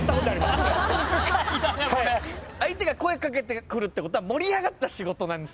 相手が声掛けてくるってことは盛り上がった仕事なんすよ。